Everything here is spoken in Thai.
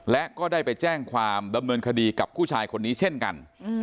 และก็ได้ไปแจ้งความดำเนินคดีกับผู้ชายคนนี้เช่นกัน